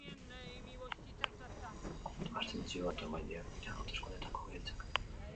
Abstentzioa eta ezbaian dauden boto-emaileak dira hauteskundeetako giltzak.